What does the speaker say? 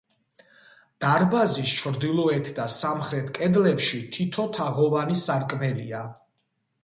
დარბაზის ჩრდილოეთ და სამხრეთ კედლებში თითო თაღოვანი სარკმელია.